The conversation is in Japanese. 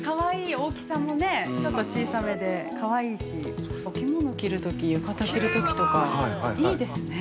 大きさも、小さいめでかわいいしお着物を着るとき浴衣着るときとか、いいですね。